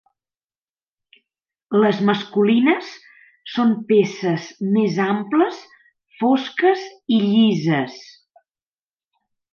Les masculines són peces més amples, fosques i llises.